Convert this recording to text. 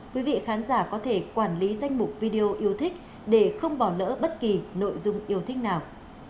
quý vị khán giả có thể quản lý danh mục video yêu thích để không bỏ lỡ bất kỳ nội dung yêu thích nào